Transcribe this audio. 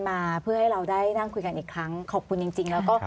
มาเพื่อให้เราได้นั่งคุยกันอีกครั้งขอบคุณจริงจริงแล้วก็